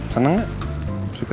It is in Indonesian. seneng gak suka